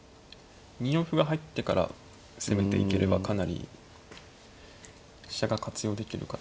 ２四歩が入ってから攻めていければかなり飛車が活用できる形。